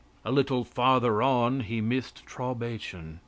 A little farther on he missed Traubation.